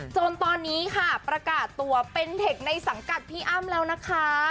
จนตอนนี้ค่ะประกาศตัวเป็นเทคในสังกัดพี่อ้ำแล้วนะคะ